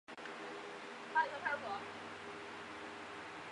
埃舍是德国下萨克森州的一个市镇。